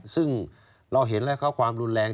ซึ่งเราเห็นแล้วความรุนแรง